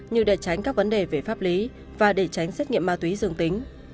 như để tránh các vấn đề về pháp lý và để tránh xét nghiệm ma túy dương tính